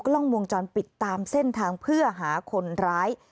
กล้องวงจรปิดตามเส้นทางเพื่อหาคนร้าย